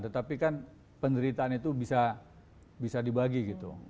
tetapi kan penderitaan itu bisa dibagi gitu